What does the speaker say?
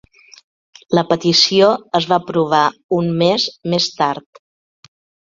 La petició es va aprovar un mes més tard.